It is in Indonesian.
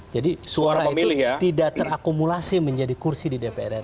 jadi suara itu tidak terakumulasi menjadi kursi di dprn